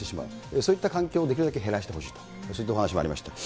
そういった環境をできるだけ減らしてほしいと、そういったお話もありました。